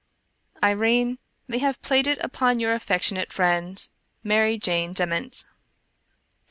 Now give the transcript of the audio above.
Irene, they have played it upon your afifectionate friend, Mary Jane Dement.